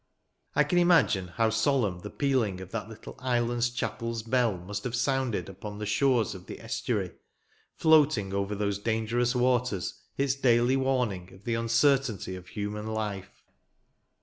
I can imagine how solemn the pealing of that little island chapel's bell must have sounded upon the shores of the estuary, floating over those dangerous waters its daily warning of the uncertainty of human life.